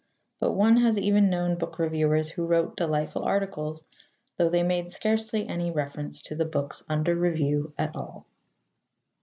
But one has even known book reviewers who wrote delightful articles, though they made scarcely any reference to the books under review at all.